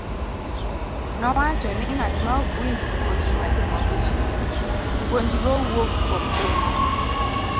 Nowacho ni ng'at maok winj puonj ma jomoko chiwo, puonjgo wuok kuom piny.